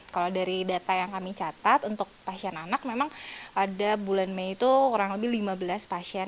kalau dari data yang kami catat untuk pasien anak memang ada bulan mei itu kurang lebih lima belas pasien